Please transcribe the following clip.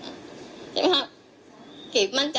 พี่ลองคิดดูสิที่พี่ไปลงกันที่ทุกคนพูด